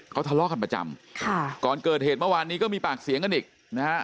เขาทะเลาะกันประจำค่ะก่อนเกิดเหตุเมื่อวานนี้ก็มีปากเสียงกันอีกนะฮะ